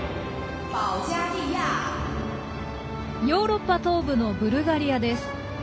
ヨーロッパ東部のブルガリアです。